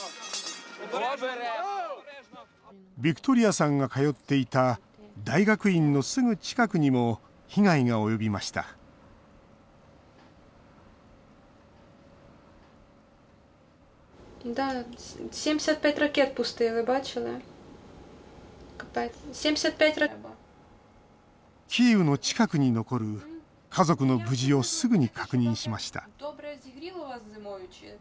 ビクトリアさんが通っていた大学院のすぐ近くにも被害が及びましたキーウの近くに残る家族の無事をすぐに確認しました。